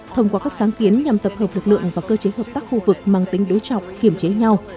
thông qua các sáng kiến nhằm tập hợp lực lượng và cơ chế hợp tác khu vực mang tính đối trọc kiểm chế nhau